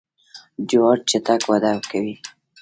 جوار چټک وده کوي.